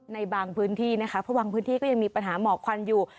ในบางพื้นที่นะคะเพราะบางพื้นที่ก็ยังมีปัญหาหมอกควันอยู่